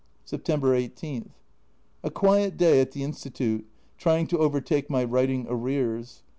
September 18. A quiet day at the Institute, trying to overtake my writing arrears.